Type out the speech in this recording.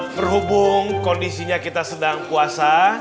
berhubung kondisinya kita sedang puasa